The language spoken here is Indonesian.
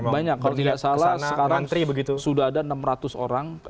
banyak kalau tidak salah sekarang sudah ada enam ratus orang